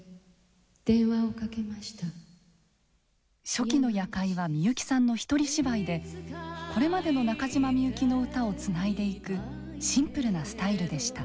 初期の「夜会」はみゆきさんの一人芝居でこれまでの中島みゆきの歌をつないでいくシンプルなスタイルでした。